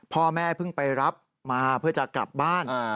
พ่อแม่เพิ่งไปรับมาเพื่อจะกลับบ้าน